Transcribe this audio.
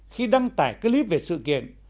khi đăng tải clip về sự kiện